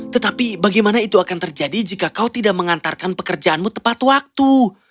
tetapi bagaimana itu akan terjadi jika kau tidak mengantarkan pekerjaanmu tepat waktu